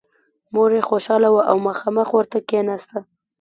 مور یې خوشحاله وه او مخامخ ورته کېناسته